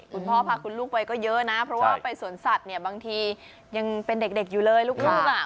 คุณพ่อพาคุณลูกไปก็เยอะนะเพราะว่าไปสวนสัตว์เนี่ยบางทียังเป็นเด็กอยู่เลยลูกอ่ะ